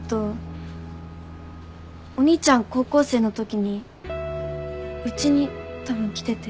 お兄ちゃん高校生のときにうちにたぶん来てて。